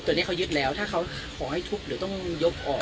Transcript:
ตอนนี้เขายึดแล้วถ้าเขาขอให้ทุบหรือต้องยกออก